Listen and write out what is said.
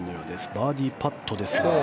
バーディーパットです。